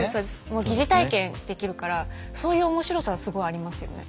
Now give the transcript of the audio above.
もう疑似体験できるからそういう面白さはすごいありますよね。